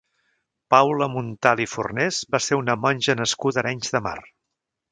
Paula Montal i Fornés va ser una monja nascuda a Arenys de Mar.